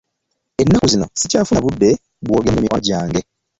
Ennaku zino sikyafuna budde bwogeramu ne mikwano gyange.